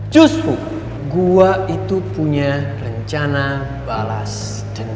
justru gue itu punya rencana balas dendam